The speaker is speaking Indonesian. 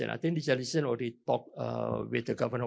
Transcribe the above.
saya pikir digitalisasi sudah berbicara dengan pemerintah